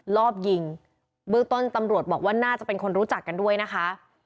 รอบยิงเบื้องต้นตำรวจบอกว่าน่าจะเป็นคนรู้จักกันด้วยนะคะ